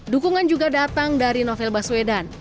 dukungan juga datang dari novel baswedan